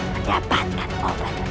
mendapatkan obat yang tawar ini